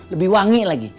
lebih wangi lagi